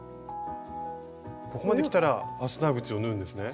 ここまできたらファスナー口を縫うんですね。